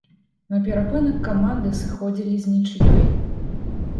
На перапынак каманды сыходзілі з нічыёй.